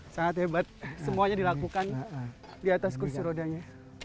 sangat hebat semuanya dilakukan di atas kursi rodanya